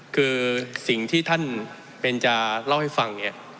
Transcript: คือสิ่งที่ท่านเบนจาเล่าให้ฟังเนี่ย